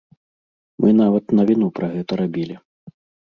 Мы нават навіну пра гэта рабілі.